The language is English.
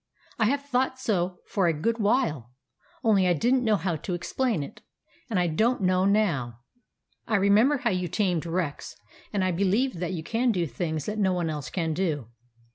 I have thought so for a good while, only I did n't know how to explain it, and I don't know now. I remember how you tamed Rex ; and I believe that you can do things that no one else can do.